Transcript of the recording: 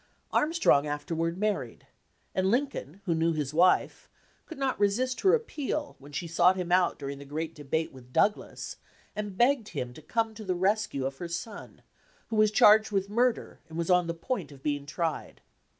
Arm strong afterward married, and Lincoln, who knew his wife, could not resist her appeal when she sought him out during the great debate with Douglas and begged him to come to the rescue of her son, who was charged with murder and was on the point of being tried.